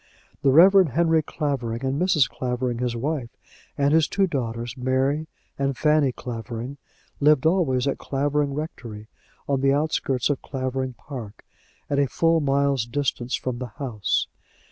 The Reverend Henry Clavering, and Mrs. Clavering his wife, and his two daughters, Mary and Fanny Clavering, lived always at Clavering Rectory, on the outskirts of Clavering Park, at a full mile's distance from the house.